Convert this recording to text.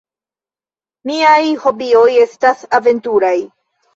Miaj hobioj estas aventuraj.